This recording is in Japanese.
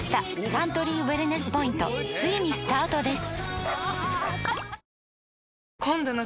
サントリーウエルネスポイントついにスタートです！